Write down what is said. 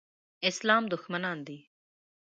اسلام دښمنان دي.